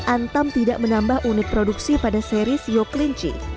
antam tidak menambah unit produksi pada seri siok linci